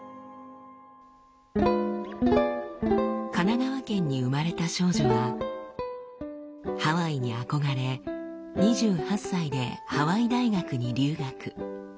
神奈川県に生まれた少女はハワイに憧れ２８歳でハワイ大学に留学。